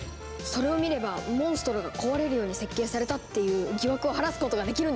それを見ればモンストロが壊れるように設計されたっていう疑惑を晴らすことができるんですね！